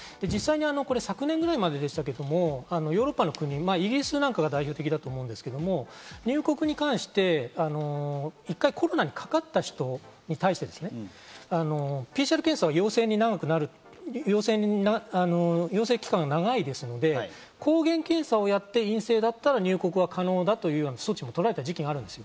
実際、昨年ぐらいまででしたけどヨーロッパの国はイギリスなんかが代表的だと思うんですけど、入国に関して、一回コロナにかかった人に対してＰＣＲ検査陽性期間が長いですので、抗原検査をやって陰性だったら、入国は可能だという措置も取られた時期があります。